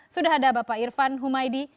sudah ada bapak irfan humaydi